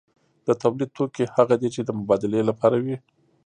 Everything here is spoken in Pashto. د تولید توکي هغه دي چې د مبادلې لپاره وي.